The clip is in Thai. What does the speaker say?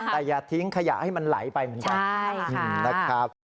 แต่อย่าทิ้งขยะให้มันไหลไปมึงบอกใช่ค่ะ